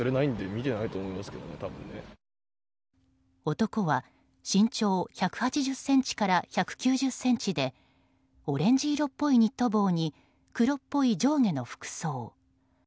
男は身長１８０ｃｍから１９０ｃｍでオレンジ色っぽいニット帽に黒っぽい上下の服装。